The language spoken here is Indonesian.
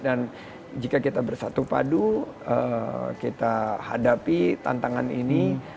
dan jika kita bersatu padu kita hadapi tantangan ini